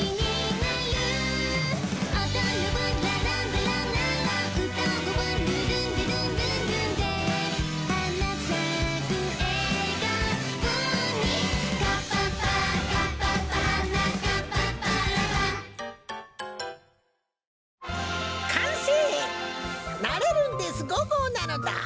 「なれるんです５ごう」なのだ！